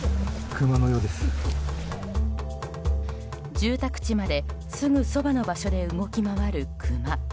住宅地まで、すぐそばの場所で動き回るクマ。